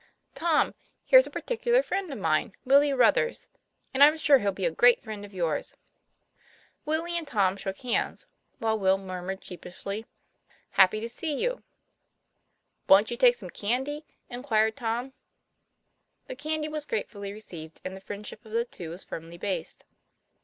"Tom, here's a particular friend of mine, Willie Ruthers; and I'm sure he'll be a great friend of yours." TOM PLA YFAIR. 6 7 Willie and Tom shook hands, while Will murmured sheepishly, " Happy to see you '" Wont you take some candy ?" inquired Tom. The candy was gratefully received, and the friend ship of the two was firmly based.